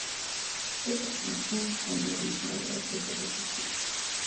Es un endemismo de Austria, Eslovaquia y Chequia.